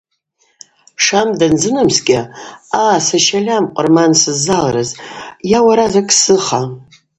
Шам данзынамскӏьа – А, саща Льам, къвырман сыззалрыз, йа уара закӏ сзыха.